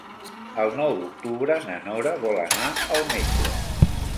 El nou d'octubre na Nora vol anar al metge.